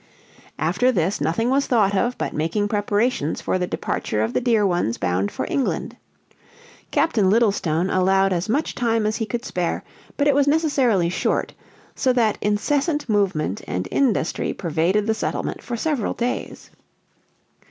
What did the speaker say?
After this nothing was thought of but making preparations for the departure of the dear ones bound for England. Captain Littlestone allowed as much time as he could spare; but it was necessarily short, so that incessant movement and industry pervaded the settlement for several days.